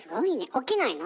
起きないの？